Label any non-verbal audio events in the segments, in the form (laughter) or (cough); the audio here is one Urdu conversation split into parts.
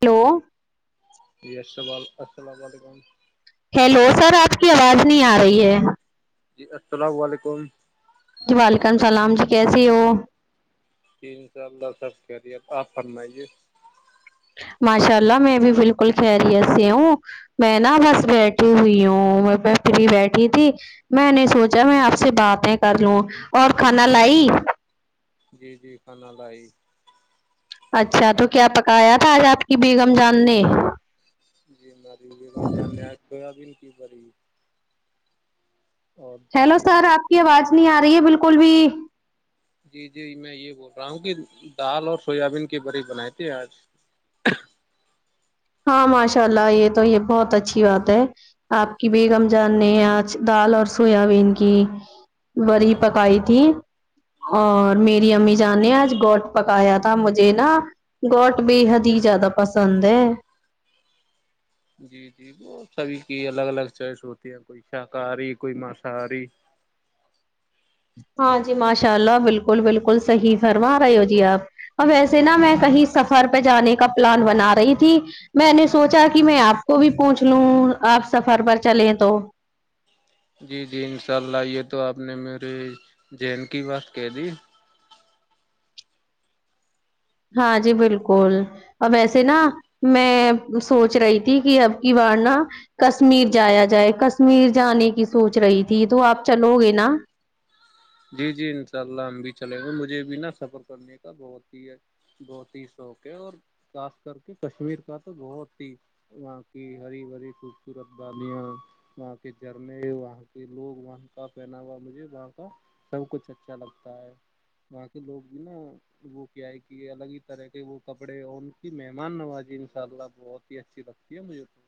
ہیلو ی السل السلام علیکم ہیلو سر آپ کی آواز نہیں آ رہی ہے جی السلام علیکم جی وعلیکم اللام جی کیسیے ہو ت ان شاء اللہ سب کریر آپ فرمائیے ماشاء اللہ میں بھی بالکل کہ رہی ہے سی ہوں میں نا بس بیٹھی ہوئی ہوں میں فری بیٹھی تھی میں نے سوچا میں آپ سے باتیں کر لوں اور کھانا لائی جی جی کھانا لائی اچھا تو کیا پکایا تھا آج آپ کی بیگم جان نے (unintelligible) اور دال ہیلو بھی سر بنائی آپ تھی کی آواز نہیں آ رہی ہے بالکل بھی جی جی میں یہ بول رہا ہوں کہ دال اور سویابین کے بریی بنائے تھے آج ہاں ماشاء اللہ یہ تو یہ بہت اچھی بات ہے آپ کی بیگم جاننے ہیں آج دال اور سویا بین کی بڑی پکائی تھی اور جی میری امی جان نے آج گوٹ پکایا تھا مجھے نا گوٹ بے حد ہی زیادہ پسند ہے جی جی بہت ساریھی کی الگ الگ چوائس ہوتی ہیں کوئی شاکاہاری کوئی ماساری ہاں جی ماشاء اللہ بالکل بالکل صحیح فرما رہے ہو جی آپ ا ویسے نا میں کہیں سفر پہ جانے کا پلان بنا رہی تھی میں نے سوچا کہ میں آپ کو بھی پوچھ لوں آپ سفر پر چلیں تو جی جی انشاء اللہ یہ تو آپ نے میری جین کی بات کہہ دی ہاں جی بالکل ا ویسے نا میں سوچ رہی تھی کہ اب کی وار نہ کشمیر جایا جائے کشمیر جانے کی سوچ رہی تھی تو آپ چلو گے نا جی جی انشاء اللہ ہم بھی چلیں گئے مجھے بھی نا سفر کرنے کا بت ہی ہے بہت ہی سو کے اور خاص کر کے کشمیر کا تو بہت ہی وہاں کی ہری بری خوبصورت بالیاں وہاں کے جھرنے وہاں کے لوگ وہاں کا پہناوا مجھے وہاں کا سب کچھ اچھا لگتا ہے وہاں کے لوگ بھی نا وہ کیا ہے کہ الگ ہی طرح کے وہ کپڑے اور ان کی مہمان نوازجی ان شاء اللہ بہت ہی اچھی لگ کیا مجھے تو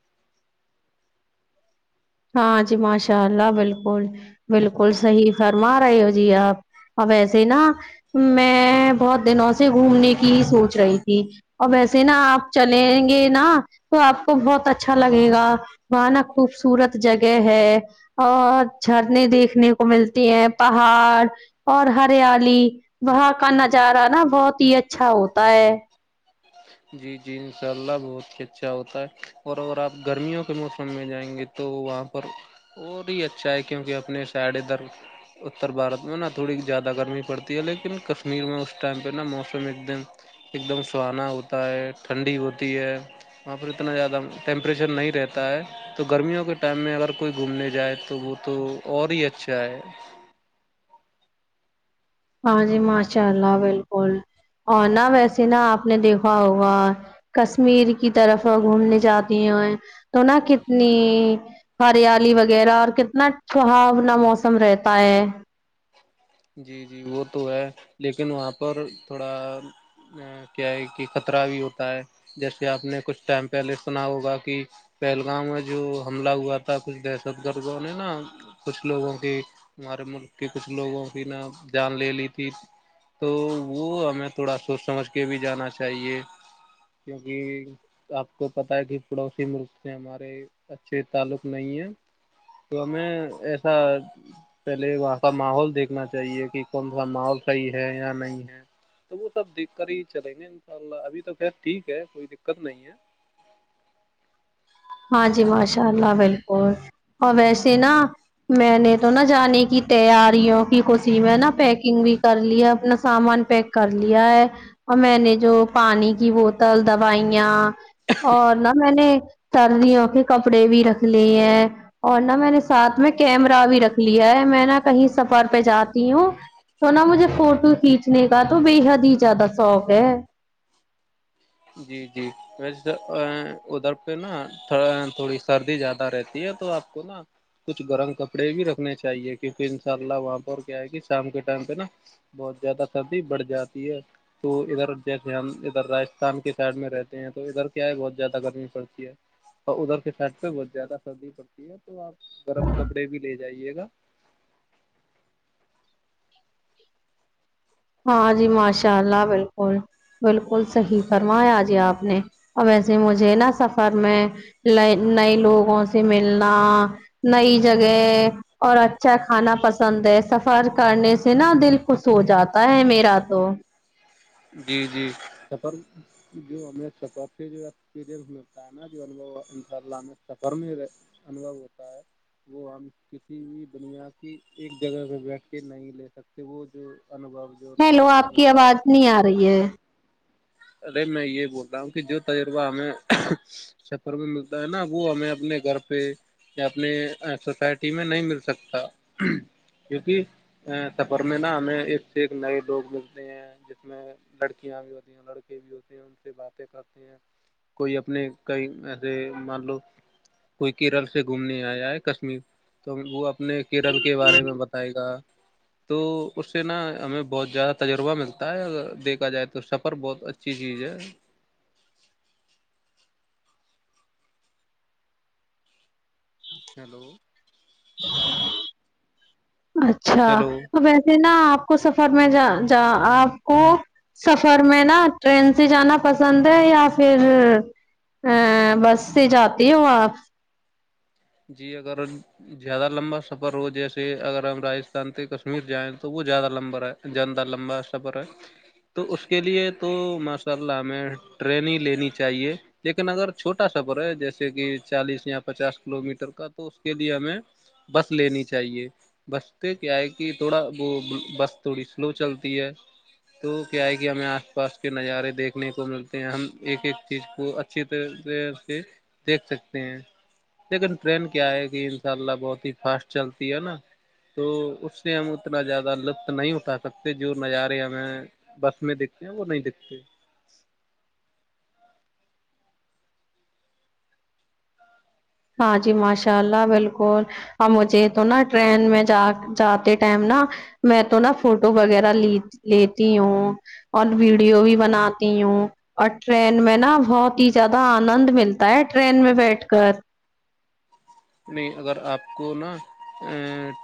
ہاں جی ماشاء اللہ بالکل بالکل صحیح فرما رہے ہو جی آپ اب ویسے نا میں بہت دنوں سے گھومنے کی سوچ رہی تھی اور ویسے نا آپ چلیں گے نا تو آپ کو بہت اچھا لگے گا بانا خوب س سورت جگہ ہے اور جھرنے دیکھنے کو ملتی ہیں پہاڑ اور ہریالی وہاں کا نظارہ نا بہت ہی اچھا ہوتا ہے جی جی انشاء اللہ بہت ہی اچھا ہوتا ہے اور ا آپ گرمیوں کے موسم میں جائیں گے تو وہاں پر اور ہی اچھا ہے کیونکہ اپنے ساڈ ادھر اتر بھارت میں نا تھوڑی زیادہ گرمی پڑتی ہے لیکن کشمیر میں اس ٹائم پہ نا موسم ایک دم ایک دم سہانا ہوتا ہے ٹھنڈی ہوتی ہے وہاں پر اتنا زیادہ ٹیمپریچر نہیں رہتا ہے تو گرمیوں کے ٹائم میں اگر کوئی گھومنے جائے تو وہ تو اور ہی اچھا ہے ہاں جی ماشاء اللہ بالکل اور نہا ویسے نا آپ نے دیکھا ہوگا کشمیر کی طرف گھومنے جاتی ہ تو نہا کتنی ہریالی وغیرہ اور کتنا چہاؤنا موسم رہتا ہے جی جی وہ تو ہے لیکن وہاں پر تھوڑا کیا ہے کہ خطرہ بھی ہوتا ہے جیسے آپ نے کچھ ٹائم پہلے سنا ہوگا کہ پہلگامؤں میں جو حملہ ہوا تھا کچھ دہشت گردوں نے نا کچھ لوگوں کی ہمارے ملک کے کچھ لوگوں کی نا جان لے لی تھی تو وہ ہمیں تھوڑا سوچ سمجھ کے بھی جانا چاہیے کیونکہ آپ کو پتہ ہے کہ پڑوسی ملک سے ہمارے اچھے تعلق نہیں ہیں تو ہمیں ایسا پہلے وہاں کا ماحول دیکھنا چاہیے کہ کون سا مال صحیح ہے یا نہیں ہے تو وہ سب دیکھ کر ہی چلیں گے ان شاء اللہ ابھی تو خ ٹھیک ہے کوئی دقت نہیں ہے ہ ہاں جی ماشاء اللہ بالکل اور ویسے نا میں نے تو نا جانے کی تیاریوں کی خوشی میں نا پیکنگ بھی کر ل ہے اپنا سامان پیک کر لیا ہے اور میں نے جو پانی کی بوتل دوائیاں اور نہا میں نے ترد ا کے کپڑے بھی رکھ لیے ہیں اور نہا میں نے ساتھ میں کیمرہ بھی رکھ لیا ہے میں نہا کہیں سفر پہ جاتی ہوں تو نا مجھے فوٹو کھینچنے کا تو بے حد ہی زیادہ شوق ہے جی جی وسے ادھر پہ نا تھوڑی سردی زیادہ رہتی ہے تو آپ کو نا کچھ گرم کپڑے بھی رکھنے چاہیے کیونکہ ان شاء اللہ وہاں پر کیا ہے کہ شام کے ٹائم پہ نا بہت زیادہ سردی بڑھ جاتی ہے تو ادھر جیسے ہم ادھر ر ان کے سائڈ میں رہتے ہیں تو ادھر کیا ہے بہت زیادہ گرمی پڑتی ہے اور ادھر کے سائڈ پہ بہت زیادہ سردی پڑتی ہے تو آپ گرم کپڑے بھی لے جائیے گا ہاں جی ماشاء اللہ بالکل بالکل صحیح فرمایا آجے آپ نے اب ویسے مجھے نا سفر میں نئے لوگوں سے ملنا نئی جگہ اور اچھا کھانا پسند ہے سفر کرنے سے نا دل خوش ہو جاتا ہوتا ہے میرا تو جی جی سر جو ہمیں سفر پھر جوری متا ہے نا جو انو انشاء اللہ ہمیں سفر میں رہ انبو ہوتا ہے وہ ہم کسی بھی بنیا کی ایک جگہ پہ بیٹھ کے نہیں لے سکتے وہ جو انوبھو ہیلو آپ کی آواز نہیں آ رہی ہے ارے میں یہ بول رہا ہوں کہ جو تجربہ ہمیں چھتر میں ملتا ہے نا وہ ہمیں اپنے گھر پہ اپنے سوسائٹی میں نہیں مل سکتا کیوںکہ سفر میں نا ہمیں ایک سے ایک نئے لوگ ملتے ہیں جس میں لڑکیاں بھی ہوتی ہیں لڑکے بھی ہوتے ہیں ان سے باتیں کرتے ہیں کوئی اپنے کئی ایسے مان لو کوئی کیرل سے گھومنے آیا ہے کشمیر تو وہ اپنے کیرل کے بارے میں بتائے گا تو اس سے نا ہمیں بہت زیادہ تجربہ ملتا ہے اگر دیکھا جائے تو سب پر بہت اچھی چیز ہے ہیلو اچھا ہیلو ا ویسے نا آپ کو سفر میں جا جا آپ کو سفر میں نا ٹرین سے جانا پسند ہے یا پھر ا بس سے جاتی ہوں آپ جی اگر زیادہ لمبا سفر ہو جیسے اگر ہم راجستھان سے کشمیر جائیں تو وہ زیادہ لمبا رہا جند لمبا آستا پ تو اس کے لیے تو ماشاء اللہ ہمیں ٹرینگ لینی چاہیے لیکن اگر چھوٹا سفر ہے جیسے کہ چالیس یا پچاس کلو میٹر کا تو اس کے لیے ہمیں بس لینی چاہیے بس تو کیا ہے کہ تھوڑا وہ بس تھوڑی سلو چلتی ہے تو کیا ہے کہ ہمیں آس پاس کے نظارے دیکھنے کو ملتے ہیں ہم ایک ایک چیز کو اچھی طرح طرح سے دیکھ سکتے ہیں لیکن ٹرین کیا ہے کہ ان شاء اللہ بہت ہی فاسٹ چلتی ہے نا تو اس سے ہم اتنا زیادہ لطف نہیں اٹھا سکتے جو نظارے ہمیں بس میں دیکھتے ہیں وہ نہیں دیکھتے ہاں جی ماشاء اللہ بالکل اور مجھے تو نا ٹرین میں جا جاتے ٹائم نا میں تو نا فوٹو وغیرہ لی لیتی ہوں اور ویڈیو بھی بناتی ہوں اور ٹرین میں نا بہت ہی زیادہ آنند ملتا ہے ٹرین میں بیٹھ کر نہیں اگر آپ کو نا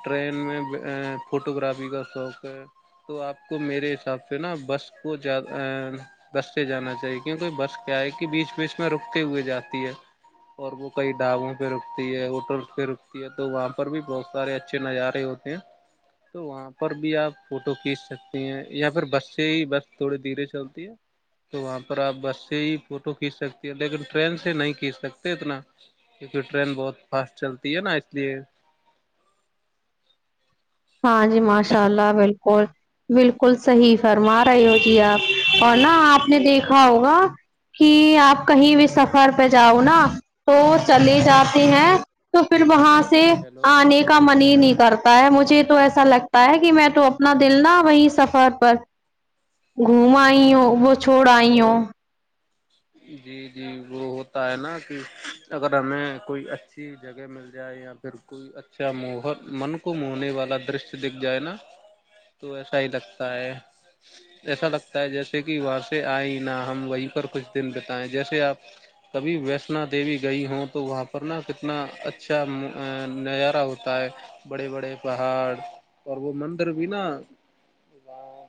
ٹرین میں فوٹوگرافی کا شوق ہے تو آپ کو میرے حساب سے نا بس کو زیادہ بس سے جانا چاہیے کیوںکہ بس کیا ہے کہ بیچ بیچ میں رکتے ہوئے جاتی ہے اور وہ کئی ڈھابو پہ رک تی ہے ہوٹل پ رکتی ہے تو وہاں پر بھی بہت سارے اچھے نظارے ہوتے ہیں تو وہاں پر بھی آپ فوٹو کھینچ سکتے ہیں یا پھر بس سے ہی بس تھوڑی دھیرے چلتی ہے تو وہاں پر آپ بس سے ہی فوٹو کھینچ سکتی ہیں لیکن ٹرین سے نہیں کھینچ سکتے اتنا کیونکہ ٹرین بہت فاسٹ چلتی ہے نا اس لیے ہاں جی ماشاء اللہ بالکل بالکل صحیح فرما رہے ہو جی آپ اور نا آپ نے دیکھا ہوگا کہ آپ کہیں بھی سفر پہ جاؤ نا تو چلے جاتے ہیں تو پھر وہاں سے جی ہیلو آنے کا من ہی نہیں کرتا ہے مجھے تو ایسا لگتا ہے کہ میں تو اپنا دل نہ وہیں سفر پر گھوم آئی ہو وہ چھوڑ آئی ہ جی جی وہ ہوتا ہے نا کہ اگر ہمیں کوئی اچھی جگہ مل جائے یا پھر کوئی اچھا مہ من کو موہنے والا درشیہ دکھ جائے نا تو ایسا ہی لگتا ہے ایسا لگتا ہے جیسے کہ وہاں سے آئے نہ ہم وہیں پر کچھ دن بتائیں جیسے آپ کبھی ویشنا دیوی گئی ہوں تو وہاں پر نا کتنا اچھا نظارہ ہوتا ہے بڑے بڑے پہاڑ اور وہ مندر بھی نا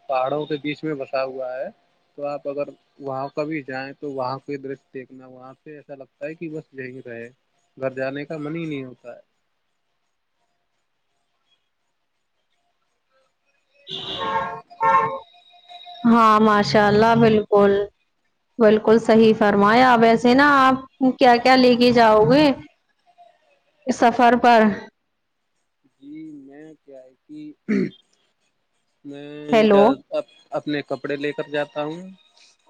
پہاڑوں کے بیچ میں بسا ہوا ہے تو آپ اگر وہاں کبھی جائیں تو وہاں کو درش دیکھنا وہاں سے ایسا لگتا ہے کہ بس یہیں رہے گھر جانے کا من ہی نہیں ہوتا ہے (unintelligible) (unintelligible) ہاں ماشاء اللہ بالکل بالکل صحیح فرمایا آپ ایسے نا آپ کیا کیا لے کے جاؤ گے سفر پر جی میں کیا ہے کہ ہیلو میںیاد اپنے کپڑے لے کر جاتا ہوں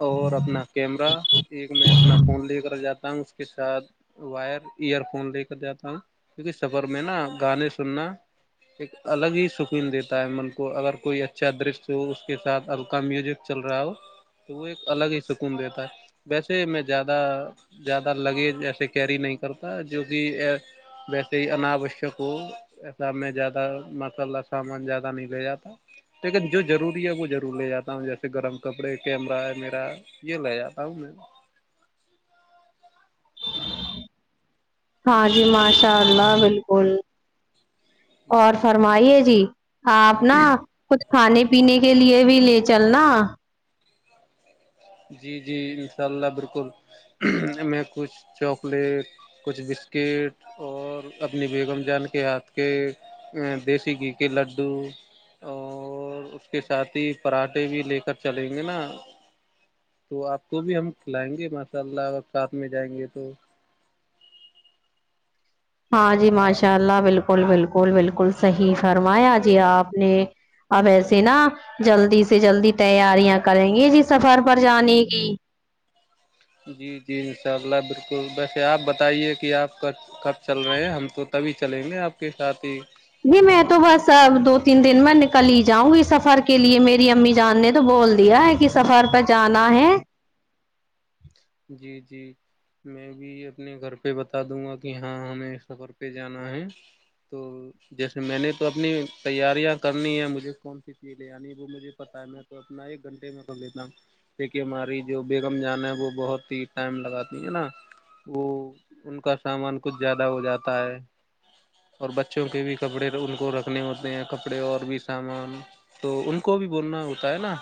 اور اپنا کیمرہ ایک میں اپنا فون لے کر جاتا ہوں اس کے ساتھ وائر ایئر فون لے کر جاتا ہوں کیونکہ سفر میں نا گانے سننا ایک الگ ہی سکین دیتا ہے من کو اگر کوئی اچھا درش ہو اس کے ساتھ ہلکا میوزک چل رہا ہو تو وہ ایک الگ ہی سکون دیتا ہے ویسے میں زیادہ زیادہ لگیج ایسے کیری نہیں کرتا جو کہ ویسے ہی انناوشک ہو ایسا میں زیادہ مساللہ سامان زیادہ نہیں بھیجا لیکن جو ضروری ہے وہ ضرور لے جاتا ہوں جیسے گرم کپڑے کیمرہ ہے میرا یہ لے جاتا ہوں میں ہاں جی ماشاء اللہ بالکل اور جی فرمائیے جی آپ نا کچھ کھانے پینے کے لیے بھی لے چلنا جی جی انشاء اللہ بالکل میں کچھ چاکلیٹ کچھ بسکٹ اور اپنی بیگم جان کے ہاتھ کے دیسی گھی کے لڈو اور اس کے ساتھ ہی پراٹھے بھی لے کر چلیں گے نا تو آپ کو بھی ہم کھلائیں گے ماشاء اللہ ا کاپ میں جائیں گے تو ہاں جی ماشاء اللہ بالکل بالکل بالکل صحیح فرمایا جی آپ نے اب ایسے نا جلدی سے جلدی تیاریاں کریں گے جی سفر پر جانے گی جی جی ان شاء اللہ بالکل ویسے آپ بتائیے کہ آپ کا کب چل رہے ہیں ہم تو تبھی چلیں گے آپ کے ساتھ ہی جی میں تو بس ا دو تین دن میں نکل ہی جاؤں گی سفر کے لیے میری امی جان نے تو بول دیا سفر پر جانا ہے جی جی میں بھی اپنے گھر پہ بتا دوں گا کہ ہاں ہمیں اس سفر پہ جانا ہے تو جیسے میں نے تو اپنی تیاریاں کرنی ہے مجھے کون سی چیل عنی وہ مجھے پتا ہے میں تو اپنا ایک گھنٹے میں کر لیتا ہوں کہہ ہماری جو بیگم جان ہے وہ بہت ٹائم لگاتی ہے نا وہ ان کا سامان کچھ زیادہ ہو جاتا ہے اور بچوں کے بھی کپڑے ان کو رکھنے ہوتے ہیں کپڑے اور بھی سامان تو ان کو بھی بولنا ہوتا ہے نا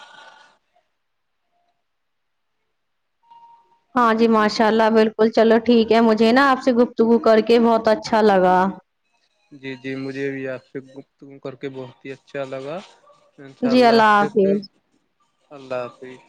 ہاں جی ماشاء اللہ بالکل چلو ٹھیک ہے مجھے نا آپ سے گفتگو کر کے بہت اچھا لگا جی جی مجھے آپ سے گفتگو کر کے بہت ہی اچھا لگا انشاء جی اللہ حا فظ پھر حافظ اللہ حافظ